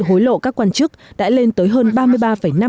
hối lộ các quan chức đã lên tới hơn